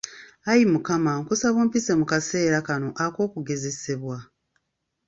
Ayi Mukama nkusaba ompise mu kaseera kano ak'okugezesebwa.